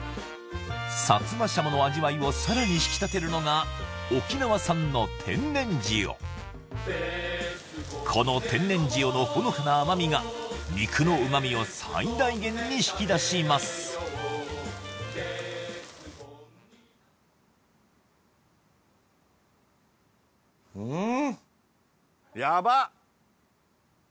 薩摩シャモの味わいをさらに引き立てるのがこの天然塩のほのかな甘味が肉の旨味を最大限に引き出しますうん！